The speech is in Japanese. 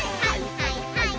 はいはい！